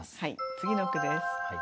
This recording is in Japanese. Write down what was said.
次の句です。